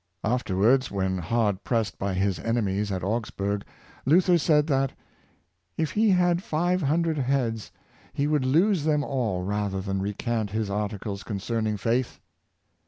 Afterwards, when hard pressed by his enemies at Augsburg, Luther said that, '' if he had five hundred heads, he would lose them all rather than recant his article concerning faith.'"